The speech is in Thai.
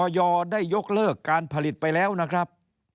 ได้ยกเลิกการผลิตไปแล้วนะครับ